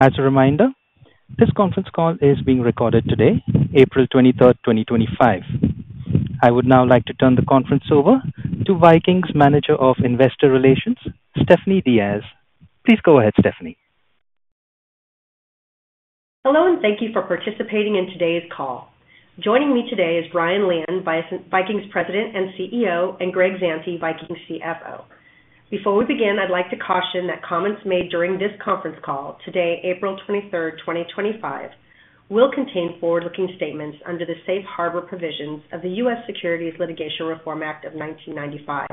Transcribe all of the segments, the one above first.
As a reminder, this conference call is being recorded today, April 23rd, 2025. I would now like to turn the conference over to Viking's Manager of Investor Relations, Stephanie Diaz. Please go ahead, Stephanie. Hello and thank you for participating in today's call. Joining me today is Brian Lian, Viking's President and CEO, and Greg Zante, Viking's CFO. Before we begin, I'd like to caution that comments made during this conference call today, April 23rd, 2025, will contain forward-looking statements under the Safe Harbor Provisions of the U.S. Securities Litigation Reform Act of 1995,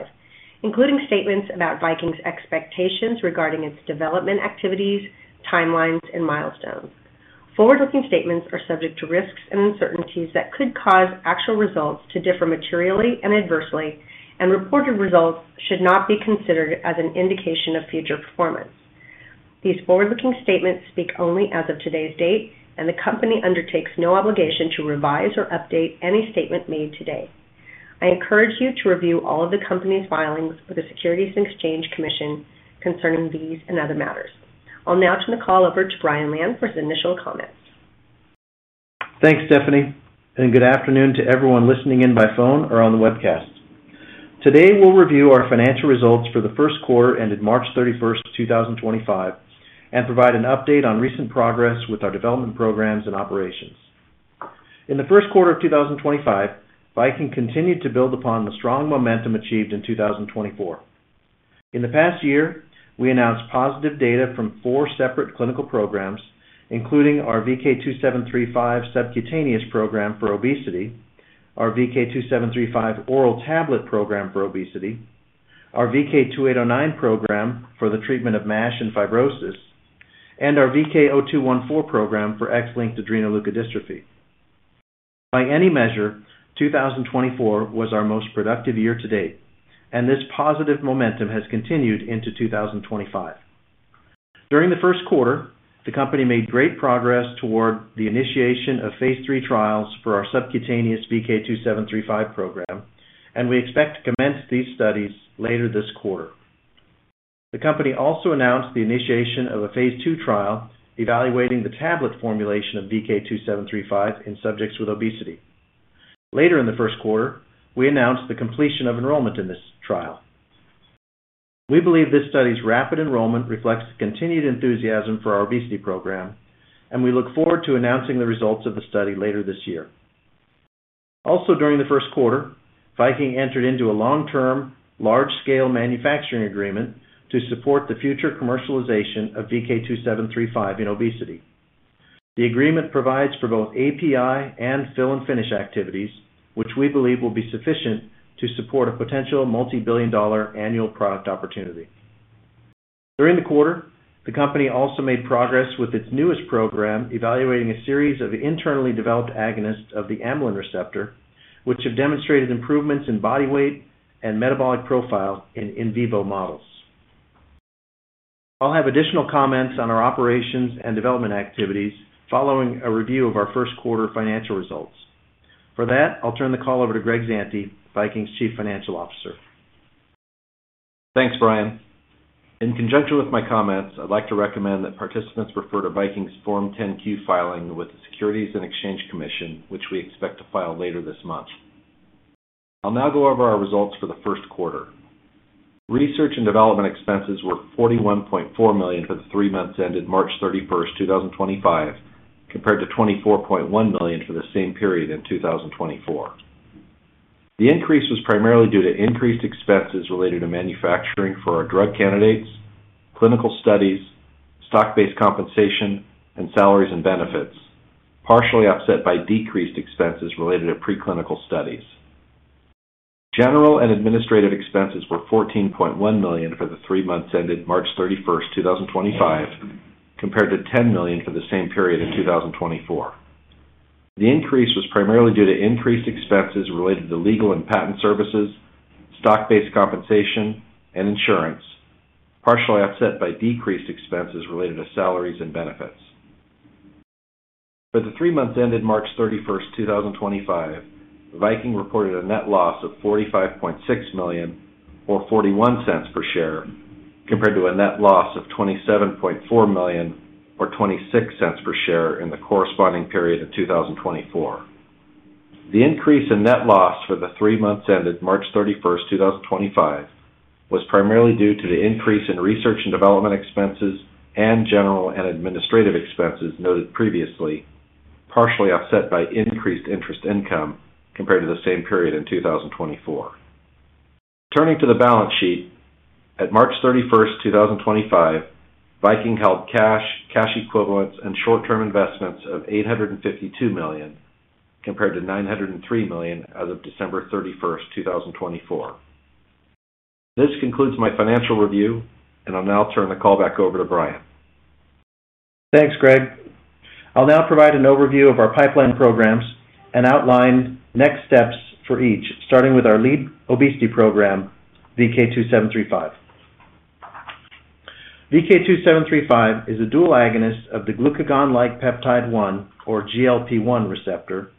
including statements about Viking's expectations regarding its development activities, timelines, and milestones. Forward-looking statements are subject to risks and uncertainties that could cause actual results to differ materially and adversely, and reported results should not be considered as an indication of future performance. These forward-looking statements speak only as of today's date, and the company undertakes no obligation to revise or update any statement made today. I encourage you to review all of the company's filings with the Securities and Exchange Commission concerning these and other matters. I'll now turn the call over to Brian Lian for his initial comments. Thanks, Stephanie, and good afternoon to everyone listening in by phone or on the webcast. Today, we'll review our financial results for the first quarter ended March 31st, 2025, and provide an update on recent progress with our development programs and operations. In the first quarter of 2025, Viking continued to build upon the strong momentum achieved in 2024. In the past year, we announced positive data from four separate clinical programs, including our VK2735 subcutaneous program for obesity, our VK2735 oral tablet program for obesity, our VK2809 program for the treatment of MASH and fibrosis, and our VK0214 program for X-linked adrenoleukodystrophy. By any measure, 2024 was our most productive year to date, and this positive momentum has continued into 2025. During the first quarter, the company made great progress toward the initiation of Phase III trials for our subcutaneous VK2735 program, and we expect to commence these studies later this quarter. The company also announced the initiation of a Phase II trial evaluating the tablet formulation of VK2735 in subjects with obesity. Later in the first quarter, we announced the completion of enrollment in this trial. We believe this study's rapid enrollment reflects continued enthusiasm for our obesity program, and we look forward to announcing the results of the study later this year. Also, during the first quarter, Viking entered into a long-term, large-scale manufacturing agreement to support the future commercialization of VK2735 in obesity. The agreement provides for both API and fill-and-finish activities, which we believe will be sufficient to support a potential multi-billion dollar annual product opportunity. During the quarter, the company also made progress with its newest program evaluating a series of internally developed agonists of the amylin receptor, which have demonstrated improvements in body weight and metabolic profile in in vivo models. I'll have additional comments on our operations and development activities following a review of our first quarter financial results. For that, I'll turn the call over to Greg Zante, Viking's Chief Financial Officer. Thanks, Brian. In conjunction with my comments, I'd like to recommend that participants refer to Viking's Form 10-Q filing with the Securities and Exchange Commission, which we expect to file later this month. I'll now go over our results for the first quarter. Research and development expenses were $41.4 million for the three months ended March 31st, 2025, compared to $24.1 million for the same period in 2024. The increase was primarily due to increased expenses related to manufacturing for our drug candidates, clinical studies, stock-based compensation, and salaries and benefits, partially offset by decreased expenses related to preclinical studies. General and administrative expenses were $14.1 million for the three months ended March 31st, 2025, compared to $10 million for the same period in 2024. The increase was primarily due to increased expenses related to legal and patent services, stock-based compensation, and insurance, partially offset by decreased expenses related to salaries and benefits. For the three months ended March 31st, 2025, Viking reported a net loss of $45.6 million or $0.41 per share, compared to a net loss of $27.4 million or $0.26 per share in the corresponding period of 2024. The increase in net loss for the three months ended March 31st, 2025, was primarily due to the increase in research and development expenses and general and administrative expenses noted previously, partially offset by increased interest income compared to the same period in 2024. Turning to the balance sheet, at March 31st, 2025, Viking held cash, cash equivalents, and short-term investments of $852 million compared to $903 million as of December 31st, 2024. This concludes my financial review, and I'll now turn the call back over to Brian. Thanks, Greg. I'll now provide an overview of our pipeline programs and outline next steps for each, starting with our lead obesity program, VK2735. VK2735 is a dual agonist of the glucagon-like peptide 1, or GLP-1 receptor,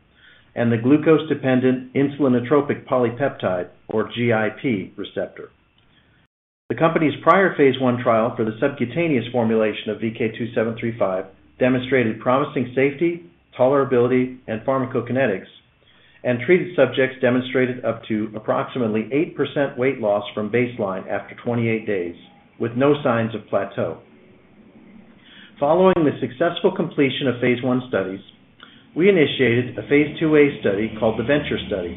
and the glucose-dependent insulinotropic polypeptide, or GIP receptor. The company's prior phase 1 trial for the subcutaneous formulation of VK2735 demonstrated promising safety, tolerability, and pharmacokinetics, and treated subjects demonstrated up to approximately 8% weight loss from baseline after 28 days, with no signs of plateau. Following the successful completion of Phase I studies, we initiated a Phase IIa study called the Venture Study.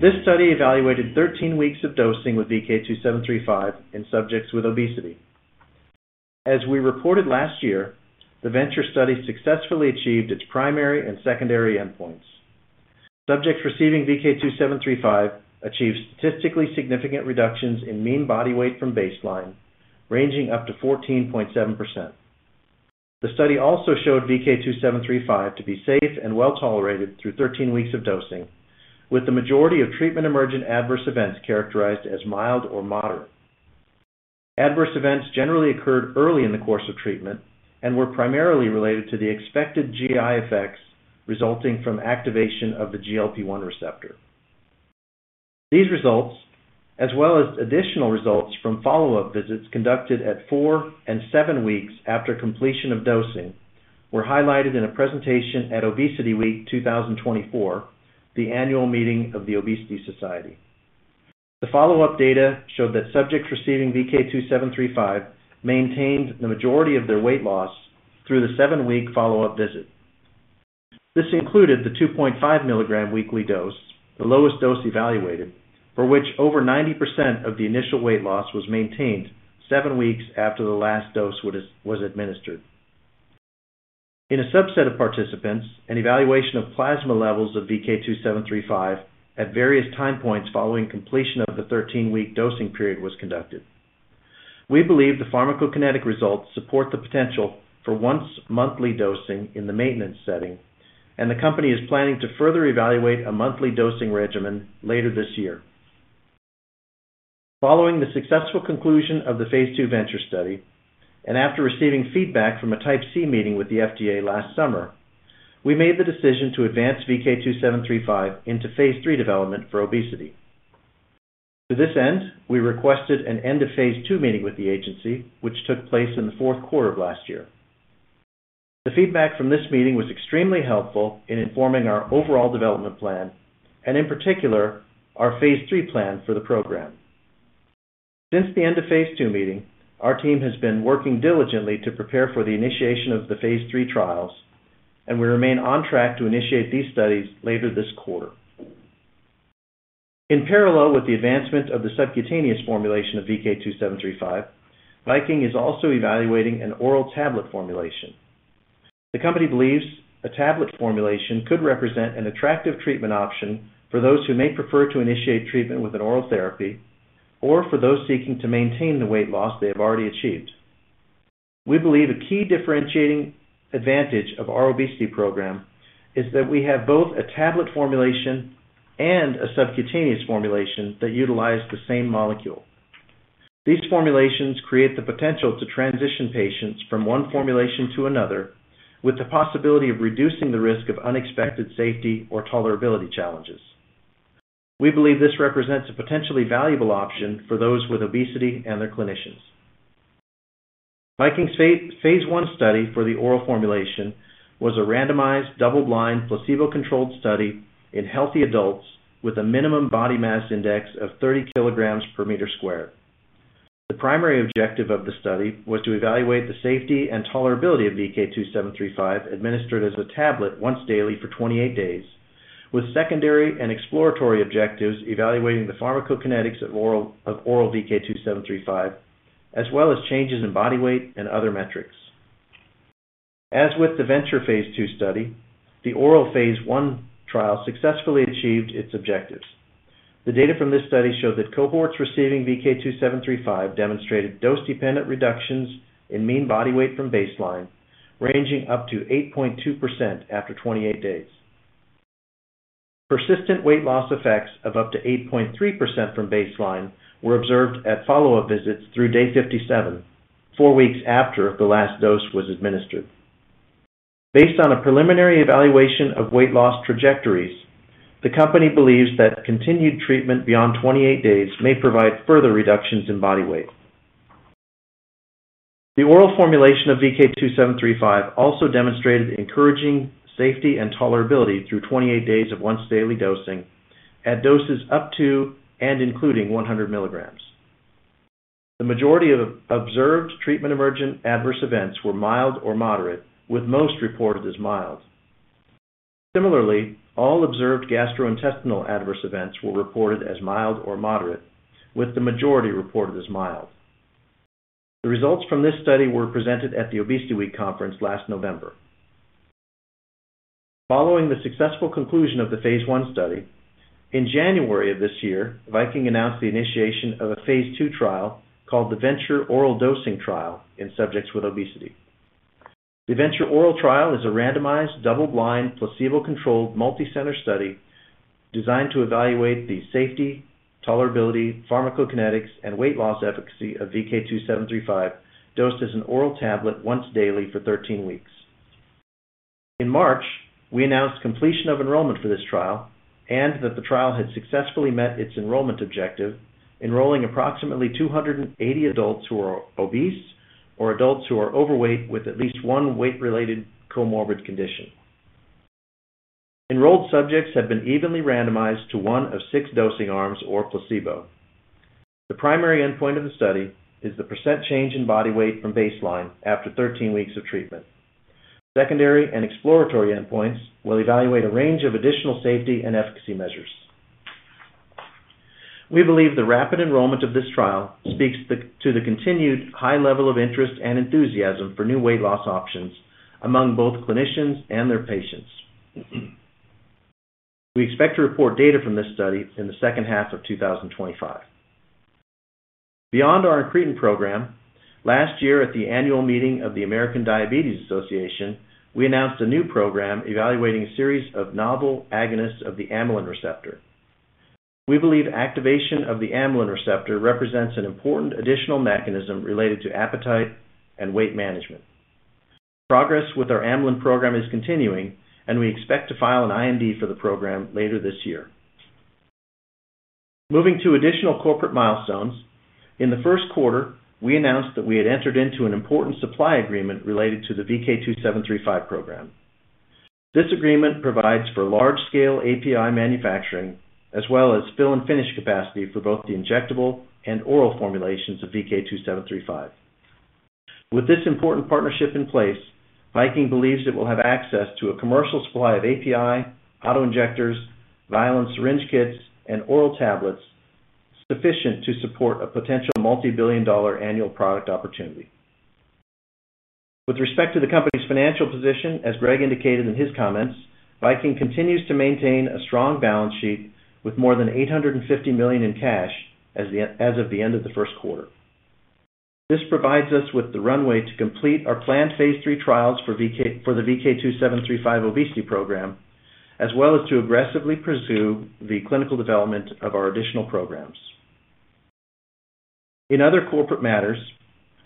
This study evaluated 13 weeks of dosing with VK2735 in subjects with obesity. As we reported last year, the Venture Study successfully achieved its primary and secondary endpoints. Subjects receiving VK2735 achieved statistically significant reductions in mean body weight from baseline, ranging up to 14.7%. The study also showed VK2735 to be safe and well tolerated through 13 weeks of dosing, with the majority of treatment-emergent adverse events characterized as mild or moderate. Adverse events generally occurred early in the course of treatment and were primarily related to the expected GI effects resulting from activation of the GLP-1 receptor. These results, as well as additional results from follow-up visits conducted at four and seven weeks after completion of dosing, were highlighted in a presentation at ObesityWeek 2024, the annual meeting of the Obesity Society. The follow-up data showed that subjects receiving VK2735 maintained the majority of their weight loss through the seven-week follow-up visit. This included the 2.5 mg weekly dose, the lowest dose evaluated, for which over 90% of the initial weight loss was maintained seven weeks after the last dose was administered. In a subset of participants, an evaluation of plasma levels of VK2735 at various time points following completion of the 13-week dosing period was conducted. We believe the pharmacokinetic results support the potential for once-monthly dosing in the maintenance setting, and the company is planning to further evaluate a monthly dosing regimen later this year. Following the successful conclusion of the Phase II Venture Study and after receiving feedback from a Type C meeting with the FDA last summer, we made the decision to advance VK2735 into Phase III development for obesity. To this end, we requested an End-of-Phase II meeting with the agency, which took place in the fourth quarter of last year. The feedback from this meeting was extremely helpful in informing our overall development plan and, in particular, our Phase III plan for the program. Since the End-of-Phase II meeting, our team has been working diligently to prepare for the initiation of the Phase III trials, and we remain on track to initiate these studies later this quarter. In parallel with the advancement of the subcutaneous formulation of VK2735, Viking is also evaluating an oral tablet formulation. The company believes a tablet formulation could represent an attractive treatment option for those who may prefer to initiate treatment with an oral therapy or for those seeking to maintain the weight loss they have already achieved. We believe a key differentiating advantage of our obesity program is that we have both a tablet formulation and a subcutaneous formulation that utilize the same molecule. These formulations create the potential to transition patients from one formulation to another with the possibility of reducing the risk of unexpected safety or tolerability challenges. We believe this represents a potentially valuable option for those with obesity and their clinicians. Viking's Phase I study for the oral formulation was a randomized, double-blind, placebo-controlled study in healthy adults with a minimum body mass index of 30 kg/m². The primary objective of the study was to evaluate the safety and tolerability of VK2735 administered as a tablet once daily for 28 days, with secondary and exploratory objectives evaluating the pharmacokinetics of oral VK2735, as well as changes in body weight and other metrics. As with the Venture Phase II study, the oral Phase I trial successfully achieved its objectives. The data from this study showed that cohorts receiving VK2735 demonstrated dose-dependent reductions in mean body weight from baseline, ranging up to 8.2% after 28 days. Persistent weight loss effects of up to 8.3% from baseline were observed at follow-up visits through day 57, four weeks after the last dose was administered. Based on a preliminary evaluation of weight loss trajectories, the company believes that continued treatment beyond 28 days may provide further reductions in body weight. The oral formulation of VK2735 also demonstrated encouraging safety and tolerability through 28 days of once-daily dosing at doses up to and including 100 mg. The majority of observed treatment-emergent adverse events were mild or moderate, with most reported as mild. Similarly, all observed gastrointestinal adverse events were reported as mild or moderate, with the majority reported as mild. The results from this study were presented at the ObesityWeek conference last November. Following the successful conclusion of the Phase I study, in January of this year, Viking announced the initiation of a Phase II trial called the Venture Oral Dosing Trial in subjects with obesity. The Venture Oral Trial is a randomized, double-blind, placebo-controlled, multicenter study designed to evaluate the safety, tolerability, pharmacokinetics, and weight loss efficacy of VK2735 dosed as an oral tablet once daily for 13 weeks. In March, we announced completion of enrollment for this trial and that the trial had successfully met its enrollment objective, enrolling approximately 280 adults who are obese or adults who are overweight with at least one weight-related comorbid condition. Enrolled subjects have been evenly randomized to one of six dosing arms or placebo. The primary endpoint of the study is the percent change in body weight from baseline after 13 weeks of treatment. Secondary and exploratory endpoints will evaluate a range of additional safety and efficacy measures. We believe the rapid enrollment of this trial speaks to the continued high level of interest and enthusiasm for new weight loss options among both clinicians and their patients. We expect to report data from this study in the second half of 2025. Beyond our incretin program, last year at the annual meeting of the American Diabetes Association, we announced a new program evaluating a series of novel agonists of the amylin receptor. We believe activation of the amylin receptor represents an important additional mechanism related to appetite and weight management. Progress with our amylin program is continuing, and we expect to file an IND for the program later this year. Moving to additional corporate milestones, in the first quarter, we announced that we had entered into an important supply agreement related to the VK2735 program. This agreement provides for large-scale API manufacturing as well as fill-and-finish capacity for both the injectable and oral formulations of VK2735. With this important partnership in place, Viking believes it will have access to a commercial supply of API, autoinjectors, vial and syringe kits, and oral tablets sufficient to support a potential multi-billion dollar annual product opportunity. With respect to the company's financial position, as Greg indicated in his comments, Viking continues to maintain a strong balance sheet with more than $850 million in cash as of the end of the first quarter. This provides us with the runway to complete our planned Phase III trials for the VK2735 obesity program, as well as to aggressively pursue the clinical development of our additional programs. In other corporate matters,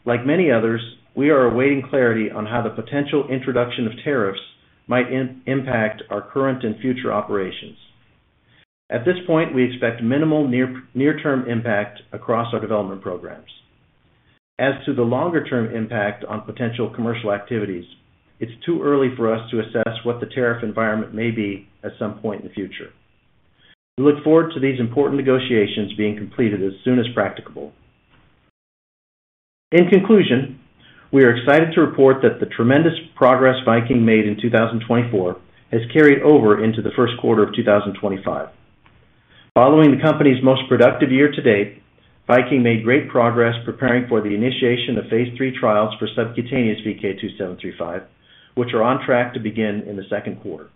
like many others, we are awaiting clarity on how the potential introduction of tariffs might impact our current and future operations. At this point, we expect minimal near-term impact across our development programs. As to the longer-term impact on potential commercial activities, it's too early for us to assess what the tariff environment may be at some point in the future. We look forward to these important negotiations being completed as soon as practicable. In conclusion, we are excited to report that the tremendous progress Viking made in 2024 has carried over into the first quarter of 2025. Following the company's most productive year-to-date, Viking made great progress preparing for the initiation of Phase III trials for subcutaneous VK2735, which are on track to begin in the second quarter.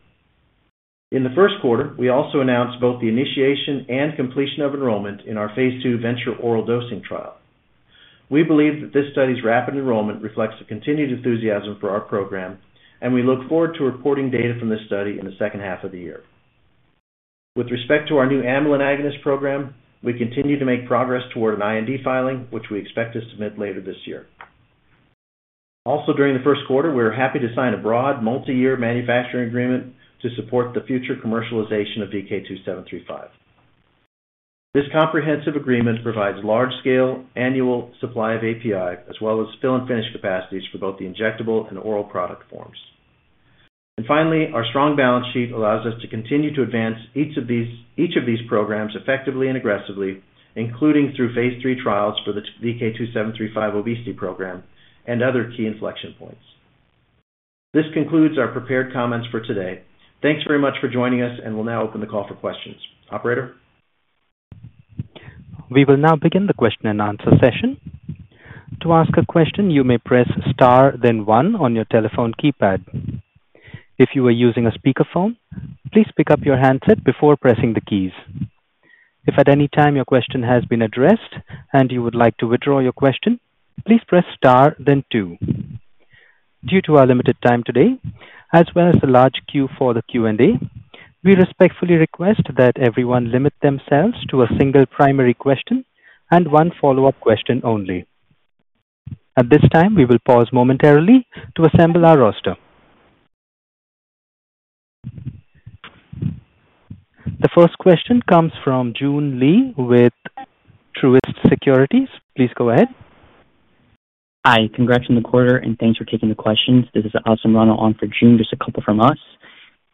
In the first quarter, we also announced both the initiation and completion of enrollment in our Phase II Venture Oral Dosing Trial. We believe that this study's rapid enrollment reflects the continued enthusiasm for our program, and we look forward to reporting data from this study in the second half of the year. With respect to our new amylin agonist program, we continue to make progress toward an IND filing, which we expect to submit later this year. Also, during the first quarter, we are happy to sign a broad multi-year manufacturing agreement to support the future commercialization of VK2735. This comprehensive agreement provides large-scale annual supply of API, as well as fill-and-finish capacities for both the injectable and oral product forms. Finally, our strong balance sheet allows us to continue to advance each of these programs effectively and aggressively, including through Phase III trials for the VK2735 obesity program and other key inflection points. This concludes our prepared comments for today. Thanks very much for joining us, and we'll now open the call for questions. Operator. We will now begin the question-and-answer session. To ask a question, you may press star, then one on your telephone keypad. If you are using a speakerphone, please pick up your handset before pressing the keys. If at any time your question has been addressed and you would like to withdraw your question, please press star, then two. Due to our limited time today, as well as the large queue for the Q&A, we respectfully request that everyone limit themselves to a single primary question and one follow-up question only. At this time, we will pause momentarily to assemble our roster. The first question comes from Joon Lee with Truist Securities. Please go ahead. Hi, congrats on the quarter, and thanks for taking the questions. This is [Austin Ronald] on for June, just a couple from us.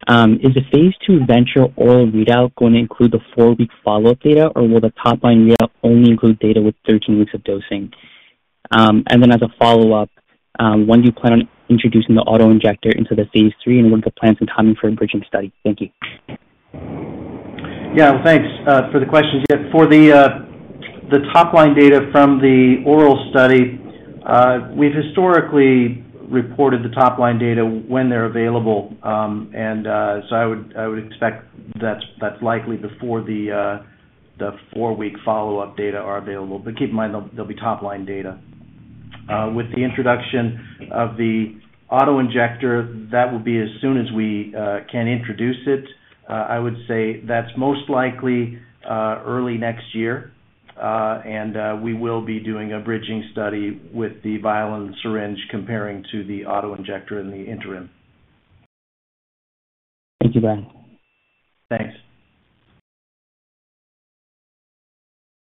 Is the Phase II Venture Oral readout going to include the four-week follow-up data, or will the top-line readout only include data with 13 weeks of dosing? As a follow-up, when do you plan on introducing the autoinjector into the Phase III and what are the plans and timing for a bridging study? Thank you. Yeah, thanks for the questions. For the top-line data from the oral study, we've historically reported the top-line data when they're available, and I would expect that's likely before the four-week follow-up data are available. Keep in mind, they'll be top-line data. With the introduction of the autoinjector, that will be as soon as we can introduce it. I would say that's most likely early next year, and we will be doing a bridging study with the vial and syringe comparing to the autoinjector in the interim. Thank you, Brian. Thanks.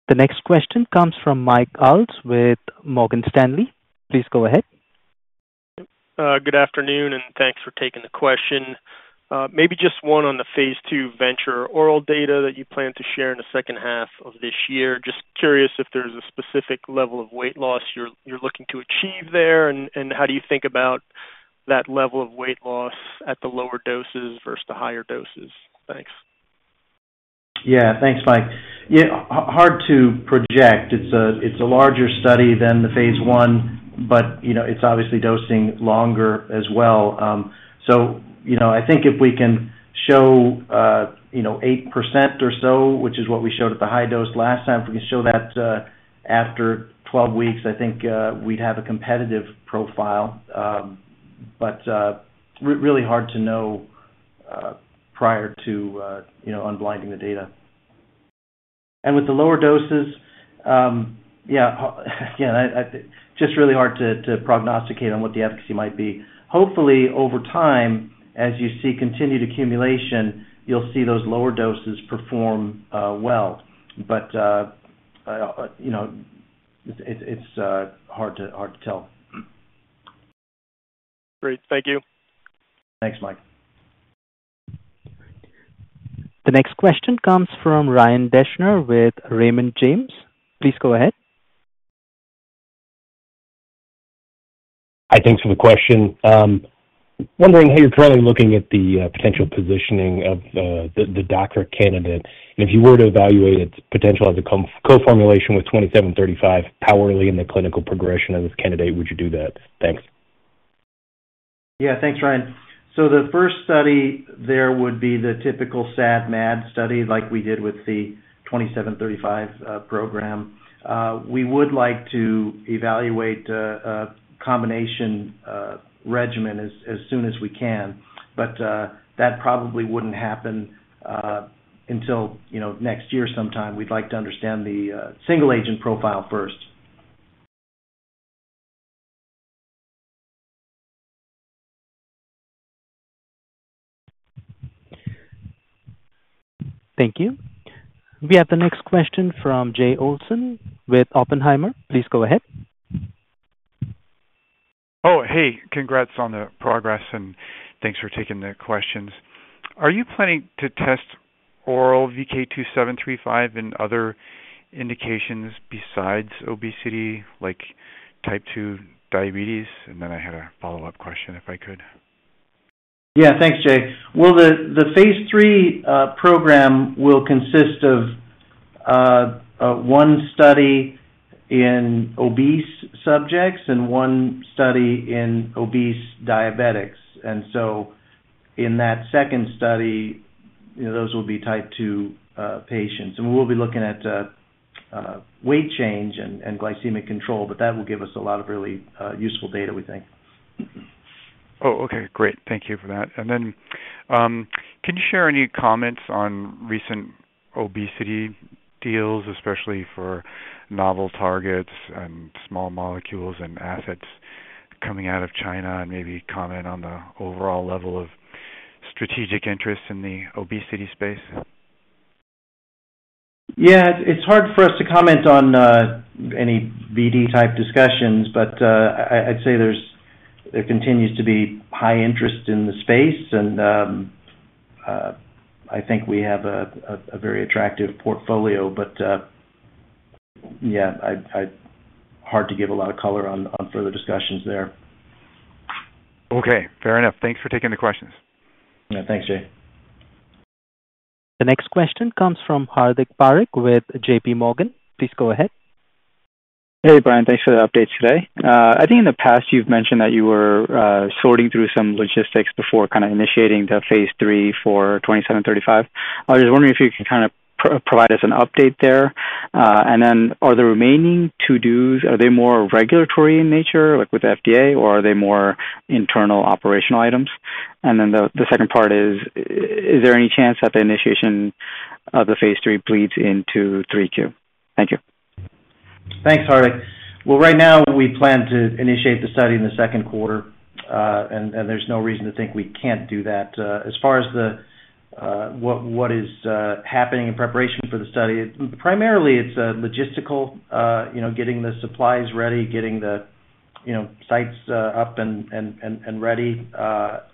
The next question comes from Mike Ulz with Morgan Stanley. Please go ahead. Good afternoon, and thanks for taking the question. Maybe just one on the Phase II Venture Oral data that you plan to share in the second half of this year. Just curious if there's a specific level of weight loss you're looking to achieve there, and how do you think about that level of weight loss at the lower doses versus the higher doses? Thanks. Yeah, thanks, Mike. Hard to project. It's a larger study than the Phase I, but it's obviously dosing longer as well. I think if we can show 8% or so, which is what we showed at the high dose last time, if we can show that after 12 weeks, I think we'd have a competitive profile. Really hard to know prior to unblinding the data. With the lower doses, yeah, again, just really hard to prognosticate on what the efficacy might be. Hopefully, over time, as you see continued accumulation, you'll see those lower doses perform well. It's hard to tell. Great. Thank you. Thanks, Mike. The next question comes from Ryan Deschner with Raymond James. Please go ahead. Hi, thanks for the question. Wondering how you're currently looking at the potential positioning of the DACRA candidate. If you were to evaluate its potential as a co-formulation with VK2735, how early in the clinical progression of this candidate would you do that? Thanks. Yeah, thanks, Ryan. The first study there would be the typical SAD/MAD study like we did with the VK2735 program. We would like to evaluate a combination regimen as soon as we can, but that probably would not happen until next year sometime. We would like to understand the single agent profile first. Thank you. We have the next question from Jay Olson with Oppenheimer. Please go ahead. Oh, hey. Congrats on the progress, and thanks for taking the questions. Are you planning to test oral VK2735 in other indications besides obesity, like type 2 diabetes? I had a follow-up question, if I could. Yeah, thanks, Jay. The Phase III program will consist of one study in obese subjects and one study in obese diabetics. In that second study, those will be type 2 patients. We'll be looking at weight change and glycemic control, but that will give us a lot of really useful data, we think. Oh, okay. Great. Thank you for that. Can you share any comments on recent obesity deals, especially for novel targets and small molecules and assets coming out of China, and maybe comment on the overall level of strategic interest in the obesity space? Yeah, it's hard for us to comment on any BD-type discussions, but I'd say there continues to be high interest in the space, and I think we have a very attractive portfolio. Yeah, hard to give a lot of color on further discussions there. Okay. Fair enough. Thanks for taking the questions. Yeah, thanks, Jay. The next question comes from Hardik Parikh with J.P. Morgan. Please go ahead. Hey, Brian. Thanks for the update today. I think in the past you've mentioned that you were sorting through some logistics before kind of initiating the Phase III for VK2735. I was just wondering if you could kind of provide us an update there. Are the remaining to-dos, are they more regulatory in nature, like with the FDA, or are they more internal operational items? The second part is, is there any chance that the initiation of the Phase III bleeds into 3Q? Thank you. Thanks, Hardik. Right now we plan to initiate the study in the second quarter, and there's no reason to think we can't do that. As far as what is happening in preparation for the study, primarily it's logistical, getting the supplies ready, getting the sites up and ready.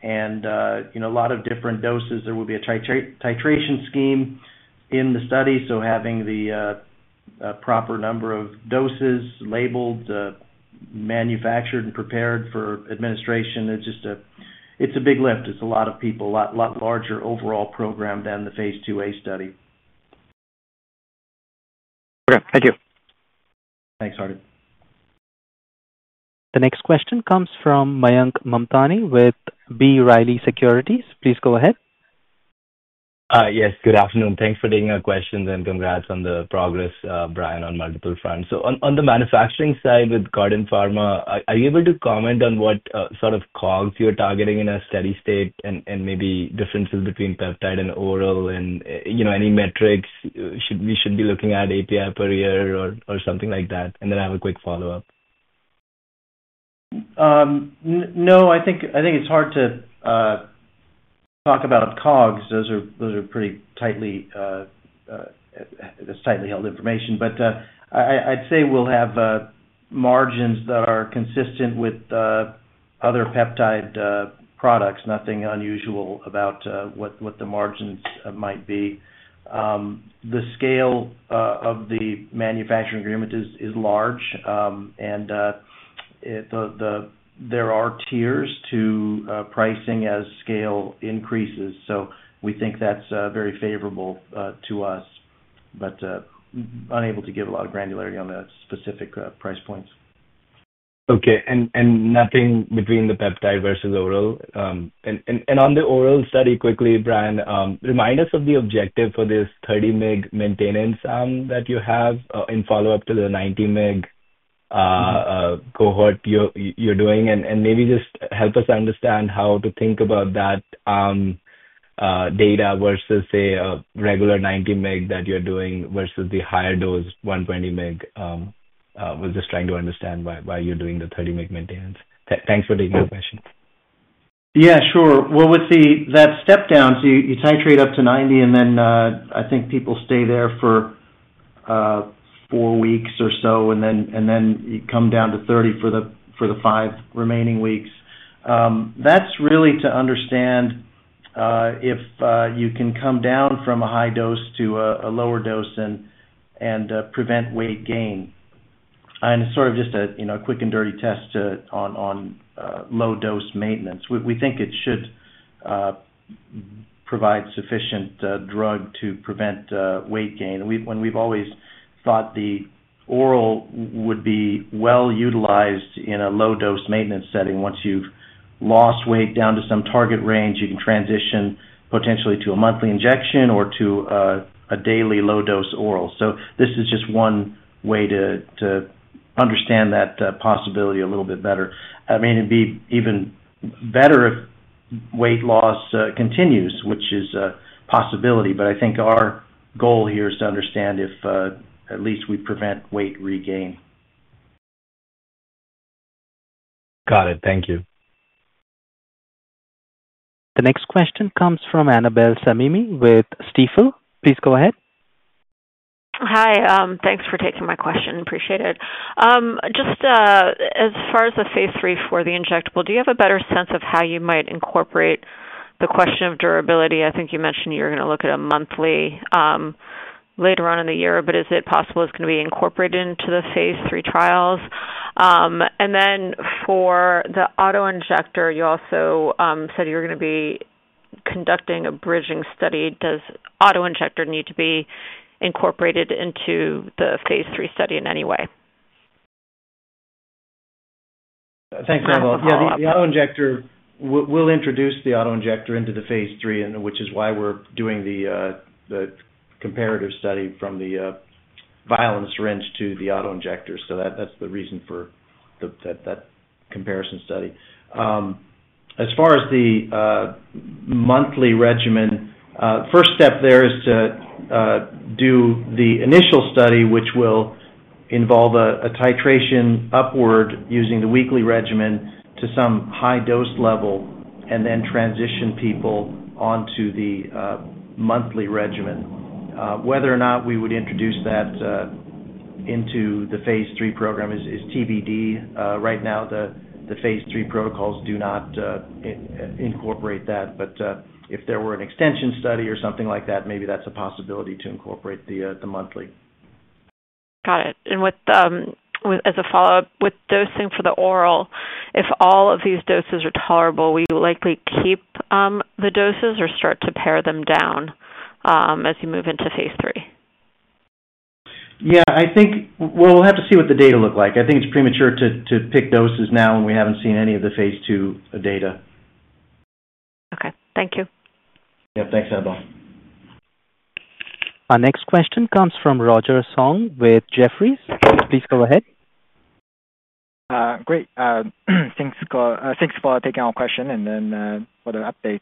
A lot of different doses, there will be a titration scheme in the study, so having the proper number of doses labeled, manufactured, and prepared for administration, it's a big lift. It's a lot of people, a lot larger overall program than the Phase IIa study. Okay. Thank you. Thanks, Hardik. The next question comes from Mayank Mamthani with B. Riley Securities. Please go ahead. Yes, good afternoon. Thanks for taking our questions, and congrats on the progress, Brian, on multiple fronts. On the manufacturing side with CordenPharma, are you able to comment on what sort of COGS you're targeting in a steady state and maybe differences between peptide and oral and any metrics we should be looking at API per year or something like that? I have a quick follow-up. No, I think it's hard to talk about COGS. Those are pretty tightly—that's tightly held information. But I'd say we'll have margins that are consistent with other peptide products, nothing unusual about what the margins might be. The scale of the manufacturing agreement is large, and there are tiers to pricing as scale increases. We think that's very favorable to us, but unable to give a lot of granularity on the specific price points. Okay. Nothing between the peptide versus oral? On the oral study, quickly, Brian, remind us of the objective for this 30 mg maintenance that you have in follow-up to the 90 mg cohort you're doing, and maybe just help us understand how to think about that data versus, say, a regular 90 mg that you're doing versus the higher dose, 120 mg. We're just trying to understand why you're doing the 30 mg maintenance. Thanks for taking the question. Yeah, sure. With that step down, you titrate up to 90 mg, and then I think people stay there for four weeks or so, and then you come down to 30 mg for the five remaining weeks. That is really to understand if you can come down from a high dose to a lower dose and prevent weight gain. It is sort of just a quick and dirty test on low-dose maintenance. We think it should provide sufficient drug to prevent weight gain. We have always thought the oral would be well utilized in a low-dose maintenance setting. Once you have lost weight down to some target range, you can transition potentially to a monthly injection or to a daily low-dose oral. This is just one way to understand that possibility a little bit better. I mean, it would be even better if weight loss continues, which is a possibility. I think our goal here is to understand if at least we prevent weight regain. Got it. Thank you. The next question comes from Annabel Samimy with Stifel. Please go ahead. Hi. Thanks for taking my question. Appreciate it. Just as far as the Phase III for the injectable, do you have a better sense of how you might incorporate the question of durability? I think you mentioned you're going to look at a monthly later on in the year, but is it possible it's going to be incorporated into the Phase III trials? For the autoinjector, you also said you're going to be conducting a bridging study. Does autoinjector need to be incorporated into the Phase III study in any way? Thanks, Annabel. Yeah, the autoinjector, we'll introduce the autoinjector into the Phase III, which is why we're doing the comparative study from the vial and syringe to the autoinjector. That's the reason for that comparison study. As far as the monthly regimen, first step there is to do the initial study, which will involve a titration upward using the weekly regimen to some high dose level, and then transition people onto the monthly regimen. Whether or not we would introduce that into the Phase III program is TBD. Right now, the Phase III protocols do not incorporate that. If there were an extension study or something like that, maybe that's a possibility to incorporate the monthly. Got it. As a follow-up, with dosing for the oral, if all of these doses are tolerable, will you likely keep the doses or start to pare them down as you move into Phase III? Yeah, I think we'll have to see what the data look like. I think it's premature to pick doses now when we haven't seen any of the Phase II data. Okay. Thank you. Yeah, thanks, Annabel. Our next question comes from Roger Song with Jefferies. Please go ahead. Great. Thanks for taking our question and for the update.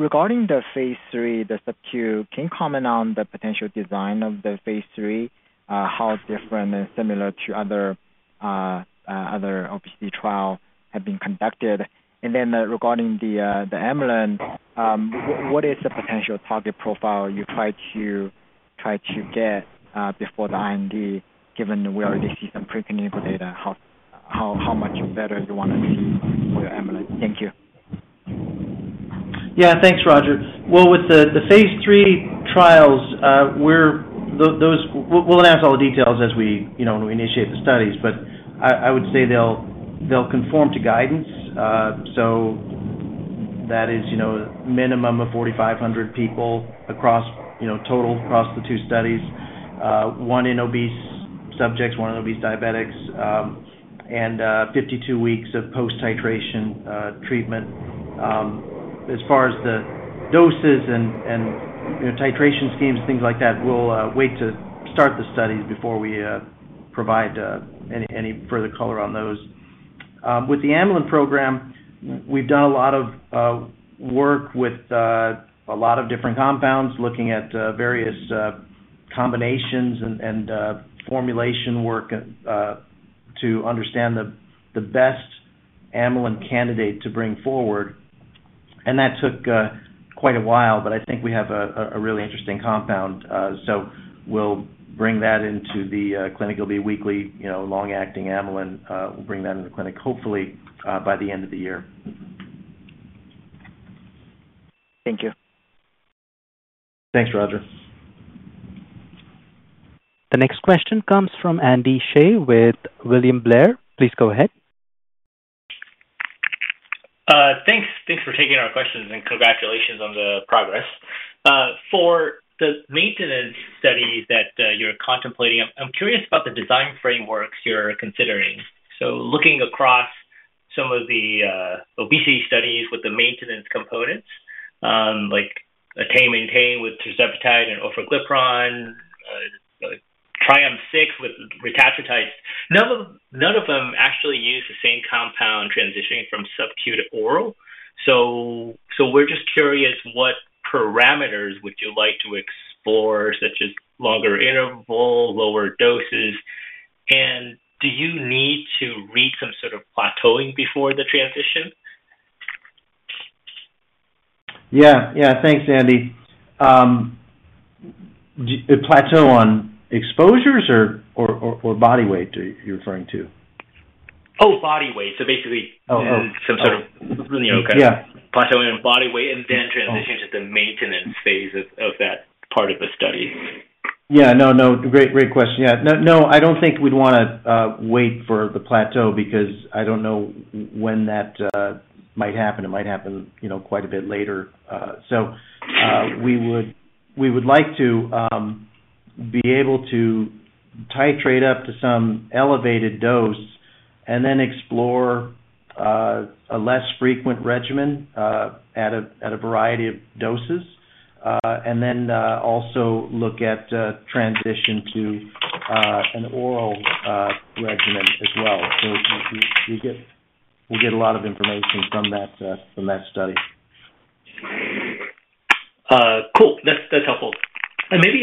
Regarding the Phase III, the subQ, can you comment on the potential design of the Phase III, how different and similar to other OPC trials have been conducted? Regarding the amylin, what is the potential target profile you try to get before the IND, given we already see some preclinical data, how much better you want to see for your amylin? Thank you. Yeah, thanks, Roger. With the Phase III trials, we'll announce all the details as we initiate the studies. I would say they'll conform to guidance. That is a minimum of 4,500 people total across the two studies, one in obese subjects, one in obese diabetics, and 52 weeks of post-titration treatment. As far as the doses and titration schemes, things like that, we'll wait to start the studies before we provide any further color on those. With the amylin program, we've done a lot of work with a lot of different compounds, looking at various combinations and formulation work to understand the best amylin candidate to bring forward. That took quite a while, but I think we have a really interesting compound. We'll bring that into the clinic. It'll be a weekly long-acting amylin. We'll bring that into the clinic, hopefully, by the end of the year. Thank you. Thanks, Roger. The next question comes from Andy Hsieh with William Blair. Please go ahead. Thanks for taking our questions, and congratulations on the progress. For the maintenance study that you're contemplating, I'm curious about the design frameworks you're considering. Looking across some of the obesity studies with the maintenance components, like a ATTAIN-MAINTAIN with tirzepatide and orforglipron, TRIUMPH-6 with retatrutide, none of them actually use the same compound transitioning from subQ to oral. We're just curious, what parameters would you like to explore, such as longer interval, lower doses? Do you need to reach some sort of plateauing before the transition? Yeah. Yeah, thanks, Andy. Plateau on exposures or body weight, are you referring to? Oh, body weight. Basically, some sort of plateau in body weight and then transition to the maintenance phase of that part of the study. Yeah. No, no. Great question. Yeah. No, I don't think we'd want to wait for the plateau because I don't know when that might happen. It might happen quite a bit later. We would like to be able to titrate up to some elevated dose and then explore a less frequent regimen at a variety of doses, and then also look at transition to an oral regimen as well. We'll get a lot of information from that study. Cool. That's helpful. Maybe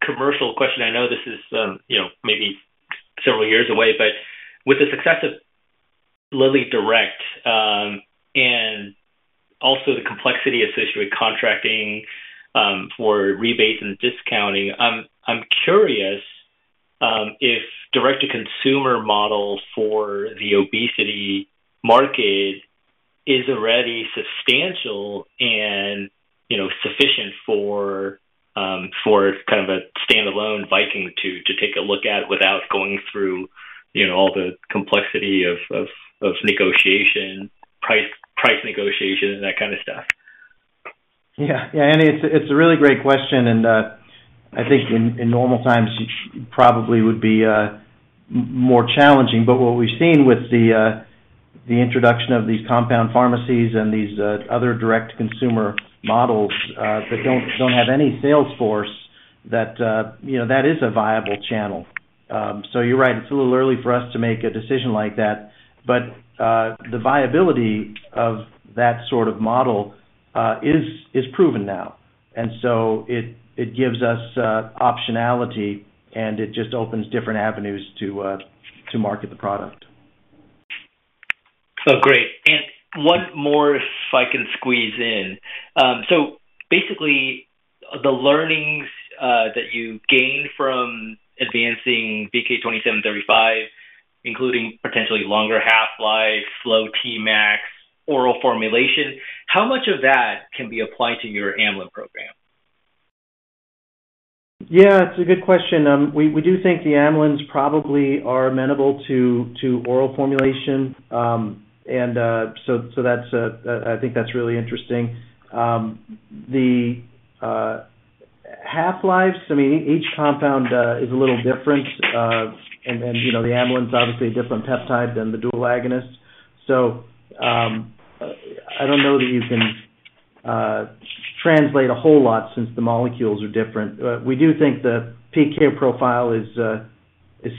a commercial question. I know this is maybe several years away, but with the success of LillyDirect and also the complexity associated with contracting for rebates and discounting, I'm curious if direct-to-consumer model for the obesity market is already substantial and sufficient for kind of a standalone Viking to take a look at without going through all the complexity of negotiation, price negotiation, and that kind of stuff. Yeah. Yeah, Andy, it's a really great question. I think in normal times, it probably would be more challenging. What we've seen with the introduction of these compound pharmacies and these other direct-to-consumer models that do not have any sales force, that is a viable channel. You're right. It's a little early for us to make a decision like that. The viability of that sort of model is proven now. It gives us optionality, and it just opens different avenues to market the product. Great. One more, if I can squeeze in. Basically, the learnings that you gain from advancing VK2735, including potentially longer half-life, low Tmax, oral formulation, how much of that can be applied to your amylin program? Yeah, it's a good question. We do think the amylin probably are amenable to oral formulation. I think that's really interesting. The half-lives, I mean, each compound is a little different. The amylin is obviously a different peptide than the dual agonist. I don't know that you can translate a whole lot since the molecules are different. We do think the PK profile is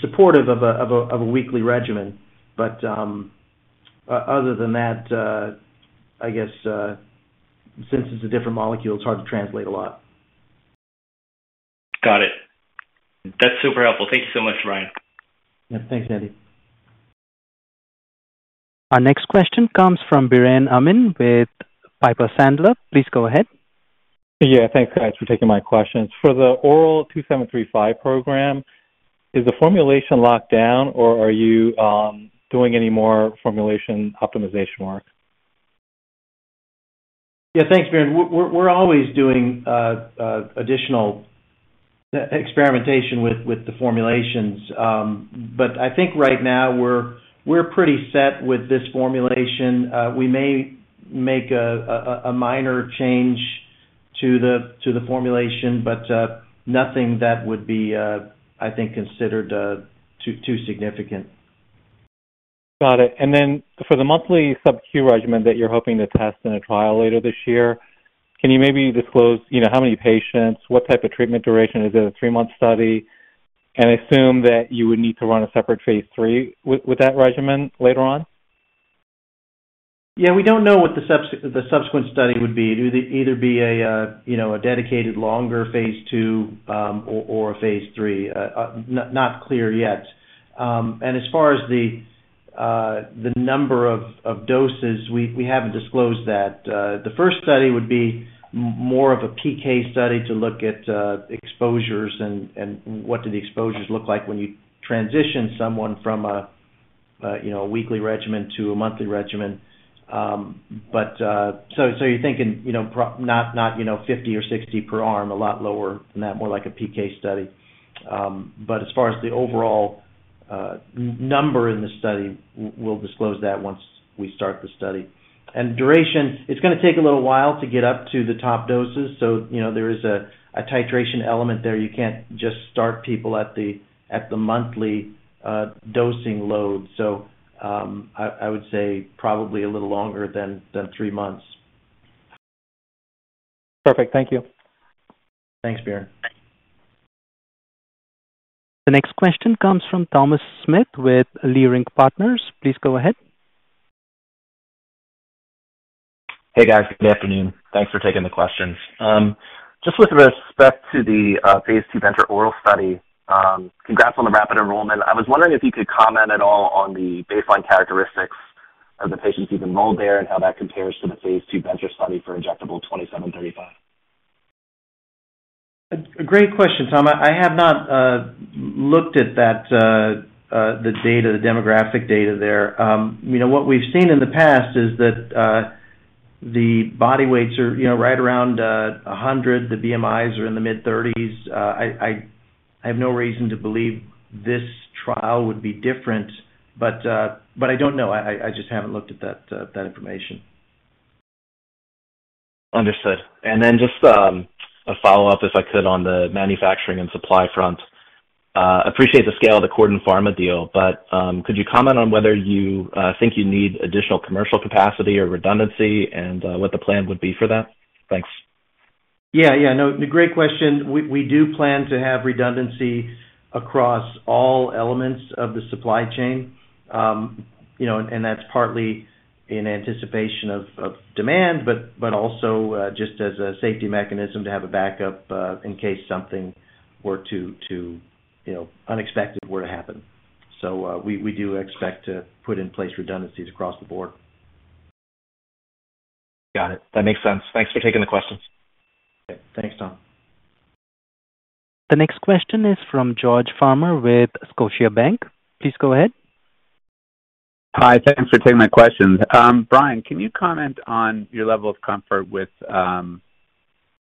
supportive of a weekly regimen. Other than that, I guess since it's a different molecule, it's hard to translate a lot. Got it. That's super helpful. Thank you so much, Brian. Yeah, thanks, Andy. Our next question comes from Biren Amin with Piper Sandler. Please go ahead. Yeah, thanks, guys, for taking my questions. For the oral VK2735 program, is the formulation locked down, or are you doing any more formulation optimization work? Yeah, thanks, Biren. We're always doing additional experimentation with the formulations. I think right now, we're pretty set with this formulation. We may make a minor change to the formulation, but nothing that would be, I think, considered too significant. Got it. For the monthly subQ regimen that you're hoping to test in a trial later this year, can you maybe disclose how many patients, what type of treatment duration? Is it a three-month study? I assume that you would need to run a separate Phase III with that regimen later on? Yeah, we don't know what the subsequent study would be. It would either be a dedicated longer Phase II or a Phase III. Not clear yet. As far as the number of doses, we haven't disclosed that. The first study would be more of a PK study to look at exposures and what do the exposures look like when you transition someone from a weekly regimen to a monthly regimen. You're thinking not 50 or 60 per arm, a lot lower than that, more like a PK study. As far as the overall number in the study, we'll disclose that once we start the study. Duration, it's going to take a little while to get up to the top doses. There is a titration element there. You can't just start people at the monthly dosing load. I would say probably a little longer than three months. Perfect. Thank you. Thanks, Biren. The next question comes from Thomas Smith with Leerink Partners. Please go ahead. Hey, guys. Good afternoon. Thanks for taking the questions. Just with respect to the Phase II Venture oral study, congrats on the rapid enrollment. I was wondering if you could comment at all on the baseline characteristics of the patients you've enrolled there and how that compares to the Phase II Venture study for injectable VK2735. Great question, Tom. I have not looked at the demographic data there. What we've seen in the past is that the body weights are right around 100 kg. The BMIs are in the mid-30s. I have no reason to believe this trial would be different. I don't know. I just haven't looked at that information. Understood. And then just a follow-up, if I could, on the manufacturing and supply front. Appreciate the scale of the CordenPharma deal. But could you comment on whether you think you need additional commercial capacity or redundancy and what the plan would be for that? Thanks. Yeah, yeah. No, great question. We do plan to have redundancy across all elements of the supply chain. That is partly in anticipation of demand, but also just as a safety mechanism to have a backup in case something unexpected were to happen. We do expect to put in place redundancies across the board. Got it. That makes sense. Thanks for taking the questions. Okay. Thanks, Tom. The next question is from George Farmer with Scotiabank. Please go ahead. Hi. Thanks for taking my questions. Brian, can you comment on your level of comfort with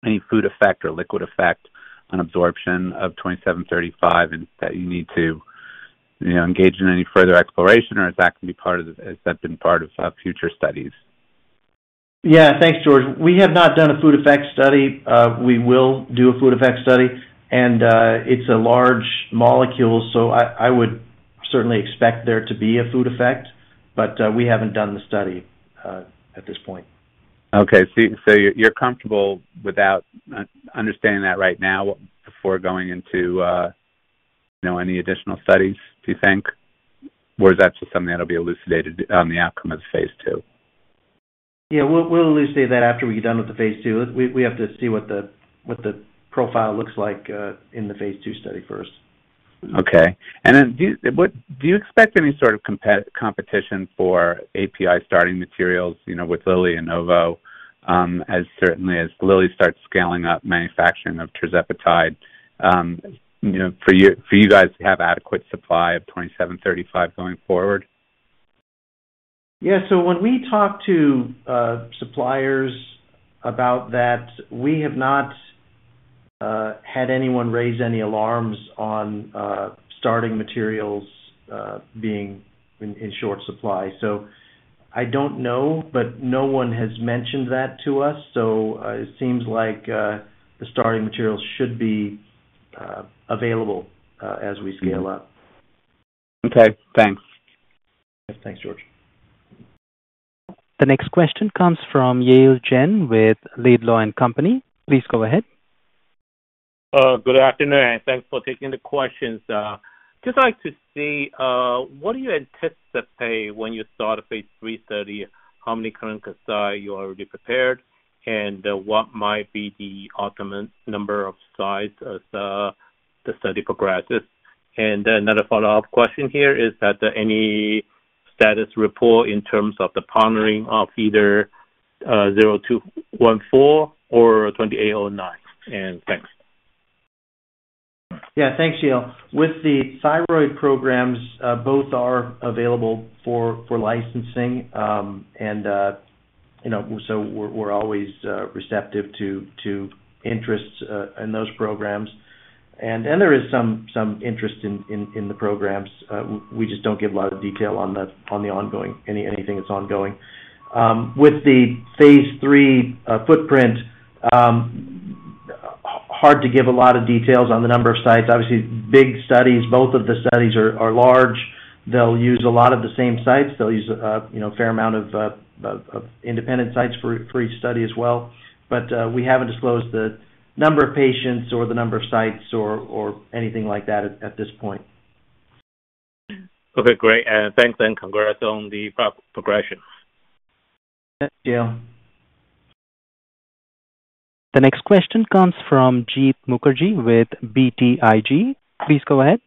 any food effect or liquid effect on absorption of 2735 and that you need to engage in any further exploration, or has that been part of future studies? Yeah, thanks, George. We have not done a food effect study. We will do a food effect study. It is a large molecule, so I would certainly expect there to be a food effect. We have not done the study at this point. Okay. So you're comfortable with that understanding right now before going into any additional studies, do you think? Or is that just something that'll be elucidated on the outcome of Phase II? Yeah, we'll elucidate that after we're done with the Phase II. We have to see what the profile looks like in the Phase II study first. Okay. Do you expect any sort of competition for API starting materials with Lilly and Novo, certainly as Lilly starts scaling up manufacturing of tirzepatide, for you guys to have adequate supply of VK2735 going forward? Yeah. When we talk to suppliers about that, we have not had anyone raise any alarms on starting materials being in short supply. I do not know, but no one has mentioned that to us. It seems like the starting materials should be available as we scale up. Okay. Thanks. Thanks, George. The next question comes from Yale Jen with Laidlaw & Company. Please go ahead. Good afternoon. Thanks for taking the questions. Just like to see what do you anticipate when you start Phase III, how many current cases you already prepared, and what might be the ultimate number of sites as the study progresses. Another follow-up question here is that any status report in terms of the partnering of either VK0214 or VK2809? Thanks. Yeah, thanks, Yale. With the thyroid programs, both are available for licensing. We are always receptive to interests in those programs. There is some interest in the programs. We just do not give a lot of detail on anything that is ongoing. With the Phase III footprint, hard to give a lot of details on the number of sites. Obviously, big studies. Both of the studies are large. They will use a lot of the same sites. They will use a fair amount of independent sites for each study as well. We have not disclosed the number of patients or the number of sites or anything like that at this point. Okay. Great. Thanks, and congrats on the progression. Thank you. The next question comes from Jeet Mukherjee with BTIG. Please go ahead.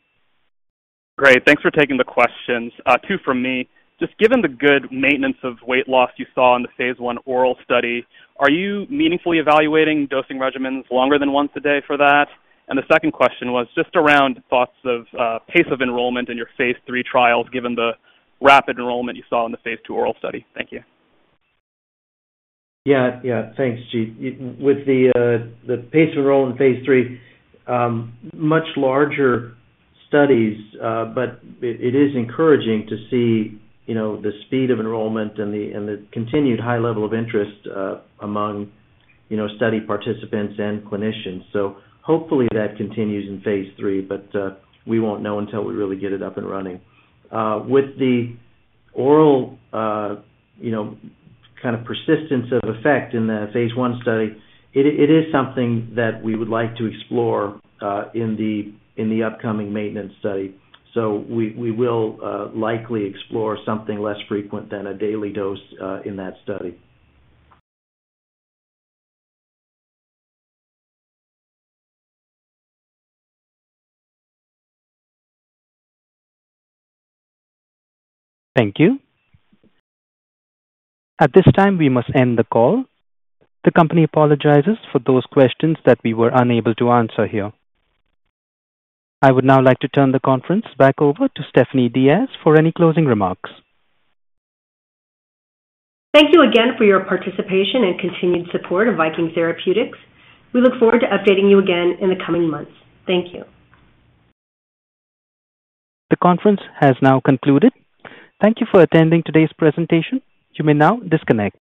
Great. Thanks for taking the questions. Two from me. Just given the good maintenance of weight loss you saw in the Phase I oral study, are you meaningfully evaluating dosing regimens longer than once a day for that? The second question was just around thoughts of pace of enrollment in your Phase III trials given the rapid enrollment you saw in the Phase II oral study. Thank you. Yeah, yeah. Thanks, Jeet. With the pace of enrollment in Phase III, much larger studies. It is encouraging to see the speed of enrollment and the continued high level of interest among study participants and clinicians. Hopefully, that continues in Phase III. We will not know until we really get it up and running. With the oral kind of persistence of effect in the Phase I study, it is something that we would like to explore in the upcoming maintenance study. We will likely explore something less frequent than a daily dose in that study. Thank you. At this time, we must end the call. The company apologizes for those questions that we were unable to answer here. I would now like to turn the conference back over to Stephanie Diaz for any closing remarks. Thank you again for your participation and continued support of Viking Therapeutics. We look forward to updating you again in the coming months. Thank you. The conference has now concluded. Thank you for attending today's presentation. You may now disconnect.